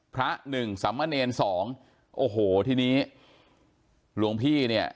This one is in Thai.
พระหนึ่งสำมะเนรสองโอ้โหทีนี้หลวงพี่เนี่ย